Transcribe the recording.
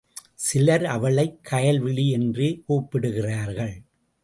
சிலர் அவளைக் கயல்விழி என்றே கூப்பிடுகிறார்கள்.